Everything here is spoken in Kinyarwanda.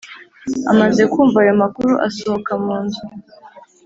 amaze kumva ayo makuru, asohoka mu nzu.